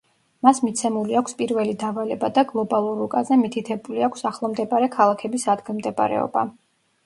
მას მიცემული აქვს პირველი დავალება და გლობალურ რუკაზე მითითებული აქვს ახლომდებარე ქალაქების ადგილმდებარეობა.